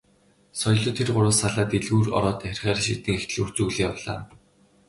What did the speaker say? Соёлоо тэр гурваас салаад дэлгүүр ороод харихаар шийдэн их дэлгүүр зүглэн явлаа.